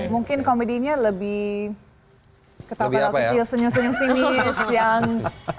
mungkin komedinya lebih ketawa kecil senyum senyum sinis yang